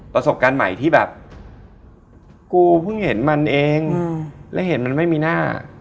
ประสบการณ์ใหม่ที่แบบกูเพิ่งเห็นมันเองและเห็นมันไม่มีหน้า